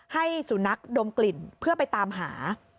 ให้สุนัขดมกลิ่นเพื่อไปตามหา